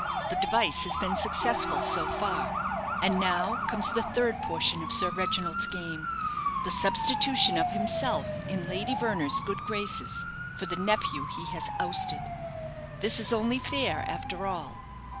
The device has been successful, so far. And now comes the third portion of Sir Reginald's game the substitution of himself in Lady Verner's good graces for the nephew he has ousted. This is only fair, after all.